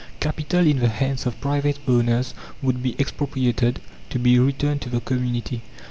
Capital in the hands of private owners would be expropriated, to be returned to the community.